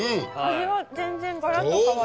味が全然ガラっと変わる。